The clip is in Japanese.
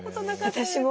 私も。